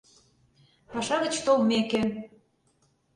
Паша гыч толмеке